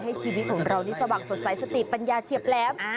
ชีวิตของเรานี่สว่างสดใสสติปัญญาเฉียบแหลม